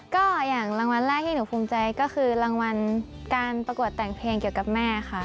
ก็อย่างรางวัลแรกที่หนูภูมิใจก็คือรางวัลการประกวดแต่งเพลงเกี่ยวกับแม่ค่ะ